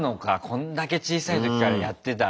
こんだけ小さい時からやってたら。